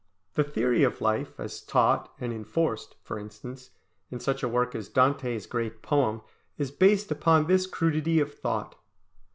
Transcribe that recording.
The theory of life as taught and enforced, for instance, in such a work as Dante's great poem is based upon this crudity of thought.